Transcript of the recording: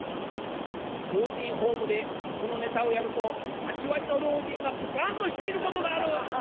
「老人ホームでこのネタをやると８割の老人がポカンとしていることがある！」。